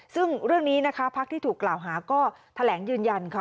ซึ่งเรื่องนี้ภาคที่ถูกกล่าวหาก็แถลงยืนยัน